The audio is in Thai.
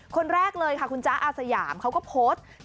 คนแรกเลยค่ะคุณจ๊ะอาสยามเขาก็โพสต์